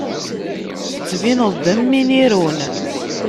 Tettbineḍ-d am win irun.